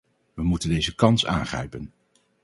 We moeten deze kans aangrijpen.